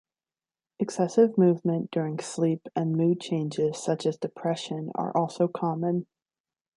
Excessive movement during sleep and mood changes such as depression are also common.